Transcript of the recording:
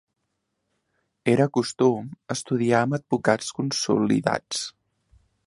Era costum estudiar amb advocats consolidats.